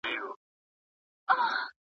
توليد بايد د تقاضا پر بنسټ تنظيم سي.